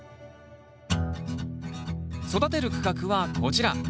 育てる区画はこちら。